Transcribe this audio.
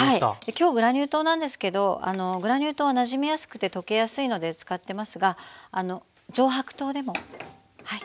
今日グラニュー糖なんですけどグラニュー糖はなじみやすくて溶けやすいので使ってますが上白糖でもはい大丈夫です。